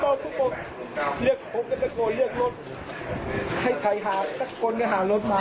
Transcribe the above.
ห่อมก็หอมต่อที่บอกตะโกเรียกรถให้ใครหาตะกนก็หารถมา